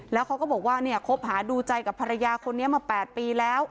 แล้วเขาก็บอกว่าเนี่ยคบหาดูใจกับภรรยาคนนี้มา๘ปีแล้ว